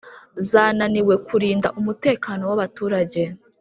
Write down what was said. zananiwe kurinda umutekano w'abaturage.